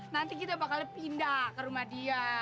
nanti kita bakal pindah ke rumah dia